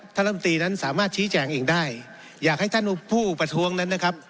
ลำตีนั้นสามารถชี้แจงเองได้อยากให้ท่านผู้ประท้วงนั้นนะครับ